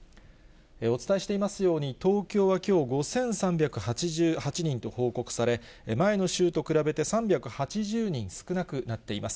お伝えしていますように、東京はきょう、５３８８人と報告され、前の週と比べて３８０人少なくなっています。